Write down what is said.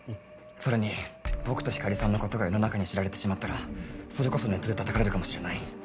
それに僕と光莉さんのことが世の中に知られてしまったらそれこそネットでたたかれるかもしれない。